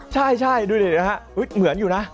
ใช่ดูเดี๋ยวนะเหมือนอยู่นะ